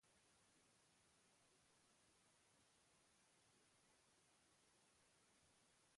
Partidak berebiziko garrantzia du bi taldeentzat.